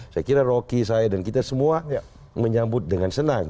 saya kira rocky saya dan kita semua menyambut dengan senang